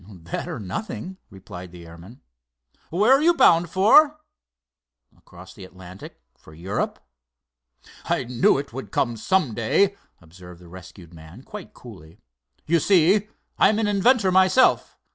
"That, or nothing," replied the airman. "Where are you bound for?" "Across the Atlantic, for Europe." "I knew it would come some day," observed the rescued man quite coolly. "You see, I'm an inventor myself.